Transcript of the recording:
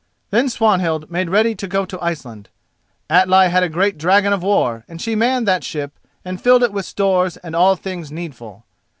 Then Swanhild made ready to go to Iceland. Atli had a great dragon of war, and she manned that ship and filled it with stores and all things needful.